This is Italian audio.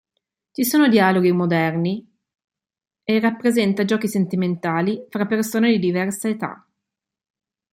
Ci sono dialoghi moderni e rappresenta giochi sentimentali fra persone di diversa età.